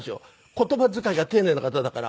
言葉遣いが丁寧な方だから。